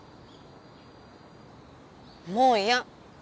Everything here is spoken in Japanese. もういや！